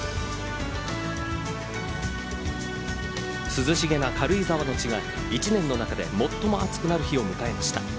涼しげな軽井沢の地が一年の中で最も熱くなる今日迎えました。